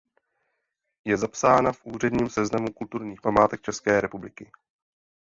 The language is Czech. Je zapsána v Ústředním seznamu kulturních památek České republiky.